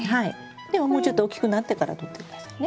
でももうちょっと大きくなってからとって下さいね。